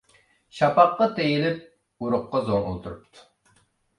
شاپاققا تېيىلىپ، ئۇرۇققا زوڭ ئولتۇرۇپتۇ.